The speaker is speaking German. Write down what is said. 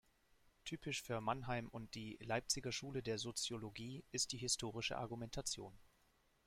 Typisch für Manheim und die "Leipziger Schule der Soziologie" ist die historische Argumentation.